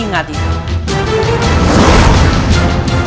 sampai jumpa lagi